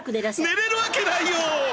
寝れるわけないよ。